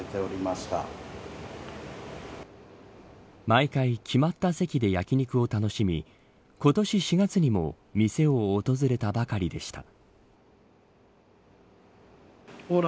毎回決まった席で焼き肉を楽しみ今年４月にも店を訪れたばかりでした。